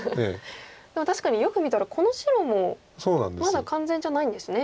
でも確かによく見たらこの白もまだ完全じゃないんですね。